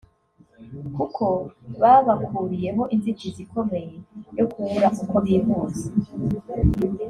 kuko babakuriyeho inzitizi ikomeye yo kubura uko bivuza